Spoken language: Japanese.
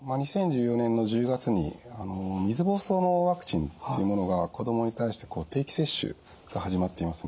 ２０１４年の１０月に水ぼうそうのワクチンっていうものが子供に対して定期接種が始まっています。